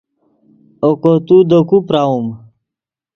اوکو تو دے کو پراؤم